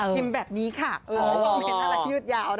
พิมพ์แบบนี้ค่ะต้องเห็นอะไรที่ยืดยาวนะ